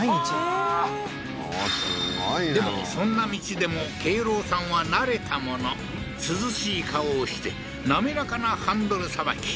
はあーでもそんな道でも敬郎さんは慣れたもの涼しい顔をして滑らかなハンドルさばき